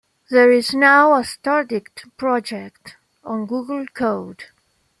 There is now a StarDict project on Google Code.